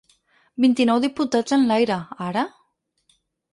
Vint-i-nou diputats en l’aire, ara?